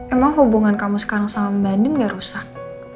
emang hubungan kamu sekarang sama mbak nin gak rusak